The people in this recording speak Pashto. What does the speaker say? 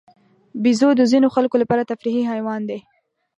بیزو د ځینو خلکو لپاره تفریحي حیوان دی.